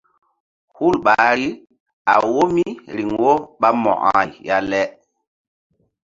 Hul ɓahri a wo mí riŋ wo ɓa Mo̧ko-ay ya le.